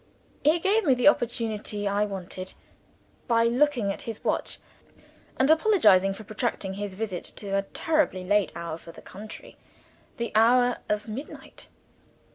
He gave me the opportunity I wanted, by looking at his watch, and apologizing for protracting his visit to a terribly late hour, for the country the hour of midnight.